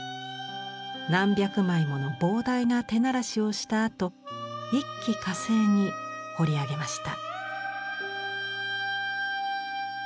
何百枚もの膨大な手慣らしをしたあと一気かせいに彫り上げました。